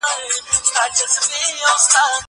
زه اوس کښېناستل کوم!؟